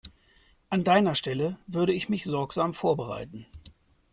An deiner Stelle würde ich mich sorgsam vorbereiten.